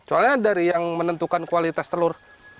soalnya dari yang menentukan kualitas telur